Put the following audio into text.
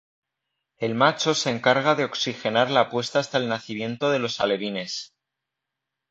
El macho se encarga de oxigenar la puesta hasta el nacimiento de los alevines.